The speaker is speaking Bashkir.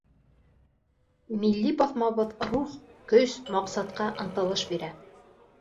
Милли баҫмабыҙ рух, көс, маҡсатҡа ынтылыш бирә.